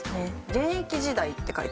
現役時代って書いてあります。